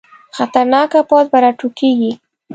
خطرناکه پوځ به راوټوکېږي.